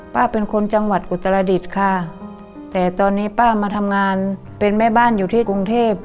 ป้าเป็นคนจังหวัดอุตรดิษฐ์ค่ะแต่ตอนนี้ป้ามาทำงานเป็นแม่บ้านอยู่ที่กรุงเทพ